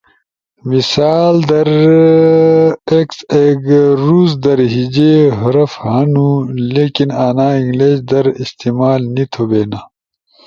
مثال در “ж” ایک روس در ہیجے حرف ہنو لیکن انا انگلش در استعمال نی تھو بینا